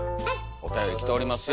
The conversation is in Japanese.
おたより来ておりますよ